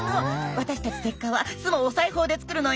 私たちセッカは巣もお裁縫で作るのよ。